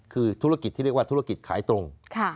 คือธุรกิจที่เรียกว่าธุรกิจขายตรง